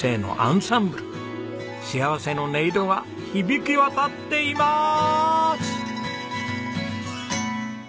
幸せの音色が響き渡っています！